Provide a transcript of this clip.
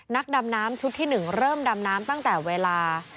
นักดำน้ำชุดที่๑เริ่มดำน้ำตั้งแต่เวลา